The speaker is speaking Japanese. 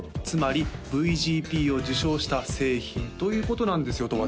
つまりＶＧＰを受賞した製品ということなんですよ